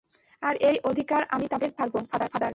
আর এই অধিকার আমি তাদের দিয়েই ছাড়বো, ফাদার।